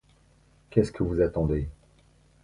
Qu’est-ce que vous attendez ?